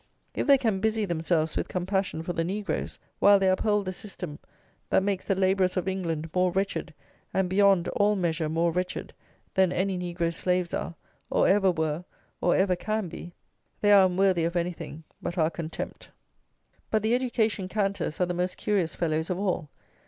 If they can busy themselves with compassion for the negroes, while they uphold the system that makes the labourers of England more wretched, and beyond all measure more wretched, than any negro slaves are, or ever were, or ever can be, they are unworthy of anything but our contempt. But the "education" canters are the most curious fellows of all.